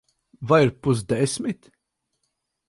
Vai ir pusdesmit?